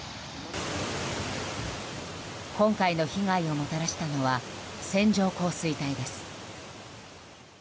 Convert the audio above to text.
今回の被害をもたらしたのは線状降水帯です。